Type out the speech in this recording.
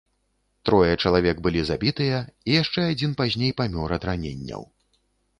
Трое чалавек былі забітыя, і яшчэ адзін пазней памёр ад раненняў.